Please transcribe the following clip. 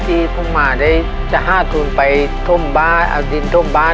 ที่ผมมาได้จะ๕ทุนไปทุ่มบ้านเอาดินทุ่มบ้าน